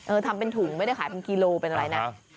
ทำเป็นถุงไม่ได้ขายเป็นกิโลเป็นอะไรนะ